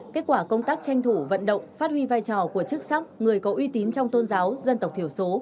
kết quả công tác tranh thủ vận động phát huy vai trò của chức sắc người có uy tín trong tôn giáo dân tộc thiểu số